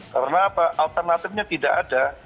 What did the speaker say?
karena apa alternatifnya tidak ada